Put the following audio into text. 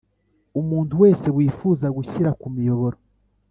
Umuntu wese wifuza gushyira ku miyoboro